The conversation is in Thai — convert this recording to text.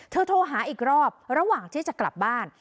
โทรหาอีกรอบระหว่างที่จะกลับบ้าน